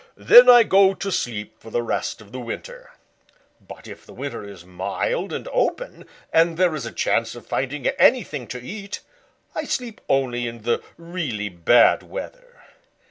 Then I go to sleep for the rest of the winter. But if the winter is mild and open and there is a chance of finding anything to eat, I sleep only in the really bad weather."